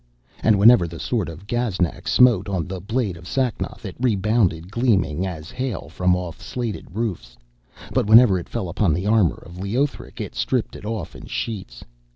And whenever the sword of Gaznak smote on the blade of Sacnoth it rebounded gleaming, as hail from off slated roofs; but whenever it fell upon the armour of Leothric, it stripped it off in sheets.